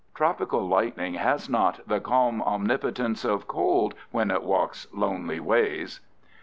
Tropical lightning has not the calm omnipotence of cold when it walks lonely ways.